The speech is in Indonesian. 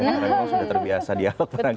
karena memang sudah terbiasa dialog pernah kali ya